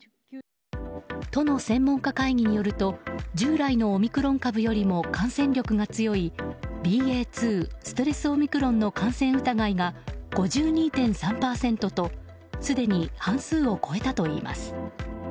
都の専門家会議によると従来のオミクロン株よりも感染力が強いＢＡ．２ステルスオミクロンの感染疑いが５２．３％とすでに半数を超えたといいます。